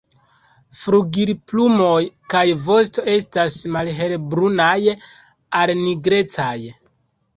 Flugilplumoj kaj vosto estas malhelbrunaj al nigrecaj.